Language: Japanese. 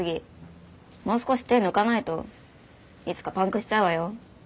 もう少し手抜かないといつかパンクしちゃうわよ。